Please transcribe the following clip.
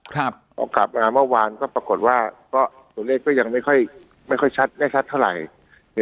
พอกลับมาเมื่อวานก็ปรากฏว่าก็ตัวเลขก็ยังไม่ค่อยชัดไม่ชัดเท่าไหร่